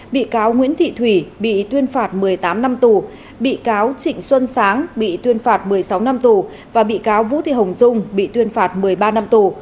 bị cáo nguyễn thị thủy bị tuyên phạt một mươi tám năm tù bị cáo trịnh xuân sáng bị tuyên phạt một mươi sáu năm tù và bị cáo vũ thị hồng dung bị tuyên phạt một mươi ba năm tù